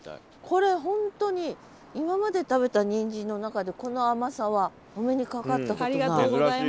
これ本当に今まで食べたにんじんの中でこの甘さはお目にかかったことない。